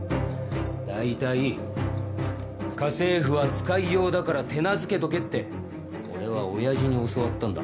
大体家政婦は使いようだから手なずけとけって俺は親父に教わったんだ。